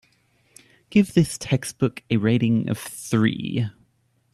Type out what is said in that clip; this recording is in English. Give this textbook a rating of three.